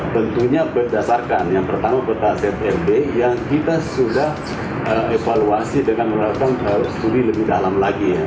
bentunya berdasarkan yang pertama tata zrb yang kita sudah evaluasi dengan melakukan studi lebih dalam lagi